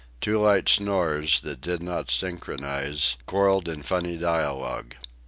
Two light snores, that did not synchronise, quarrelled in funny dialogue.